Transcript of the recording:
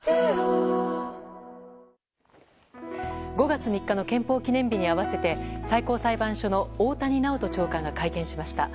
５月３日の憲法記念日に合わせて最高裁判所の大谷直人長官が会見しました。